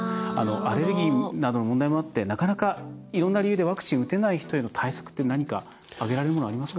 アレルギーなどの問題もあっていろんな理由でワクチンが打てない人への対策って何か挙げられるものはありますか。